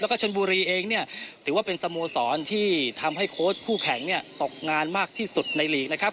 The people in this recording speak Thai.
แล้วก็ชนบุรีเองเนี่ยถือว่าเป็นสโมสรที่ทำให้โค้ชคู่แข่งเนี่ยตกงานมากที่สุดในลีกนะครับ